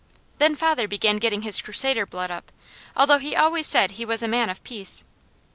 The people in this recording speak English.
Then father began getting his Crusader blood up, although he always said he was a man of peace.